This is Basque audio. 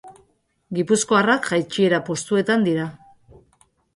Gipuzkoarrak jaitsiera postuetan dira.